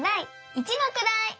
「一のくらい」。